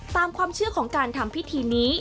ตามความเชื่อของการทำพิธีนี้